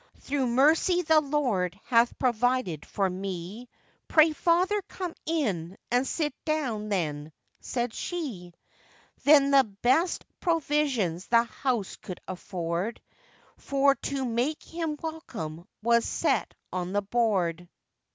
'Through mercy the Lord hath provided for me; Pray, father, come in and sit down then,' said she. Then the best provisions the house could afford, For to make him welcome was set on the board.